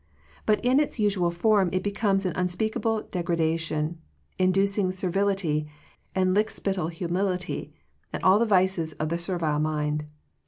But in its usual form it becomes an unspeakable degradation, inducing servility, and lick spittle humility, and all the vices of the servile mind.